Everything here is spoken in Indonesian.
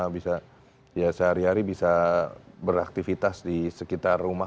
bisa sehari hari bisa beraktivitas di sekitar rumah